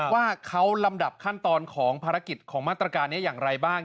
ว่าเขาลำดับขั้นตอนของภารกิจของมาตรการนี้อย่างไรบ้าง